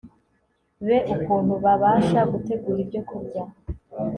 be ukuntu babasha gutegura ibyokurya